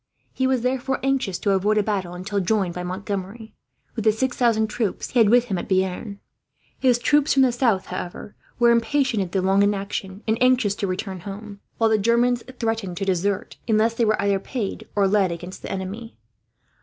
He was therefore anxious to avoid a battle until joined by Montgomery, with the six thousand troops he had with him at Bearn. His troops from the south, however, were impatient at the long inaction, and anxious to return home; while the Germans threatened to desert, unless they were either paid or led against the enemy.